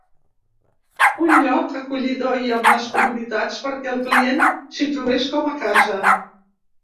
Un lloc acollidor i amb les comoditats perquè el client s'hi trobés com a casa.